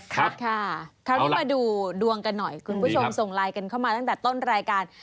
คุณผู้ชมส่งไลน์เข้ามาตั้งแต่ต้นรายการ